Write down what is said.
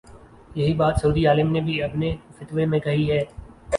یہی بات سعودی عالم نے بھی اپنے فتوے میں کہی ہے۔